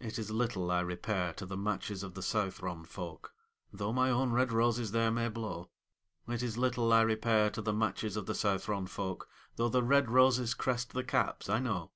It is little I repair to the matches of the Southron folk, Though my own red roses there may blow; It is little I repair to the matches of the Southron folk, Though the red roses crest the caps, I know.